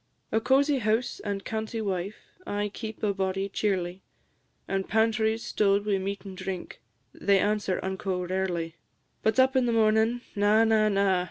A cosie house and canty wife Aye keep a body cheerly; And pantries stowed wi' meat and drink, They answer unco rarely. But up in the mornin' na, na, na!